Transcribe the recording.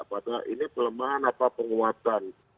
apakah ini pelemahan atau penguatan